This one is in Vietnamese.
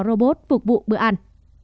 robot phục vụ bữa ăn